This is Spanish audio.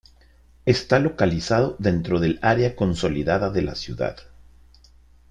Está localizado dentro del área consolidada de la ciudad.